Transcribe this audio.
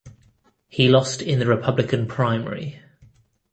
He lost in the Republican primary.